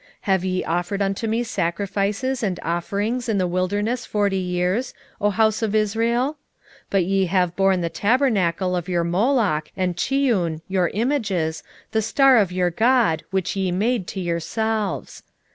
5:25 Have ye offered unto me sacrifices and offerings in the wilderness forty years, O house of Israel? 5:26 But ye have borne the tabernacle of your Moloch and Chiun your images, the star of your god, which ye made to yourselves.